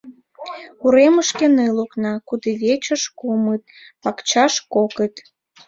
Уремышке — ныл окна, кудывечыш — кумыт, пакчаш — кокыт.